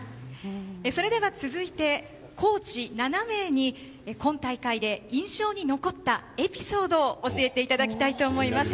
それでは続いてコーチ７名に今大会で印象に残ったエピソードを教えていただきたいと思います。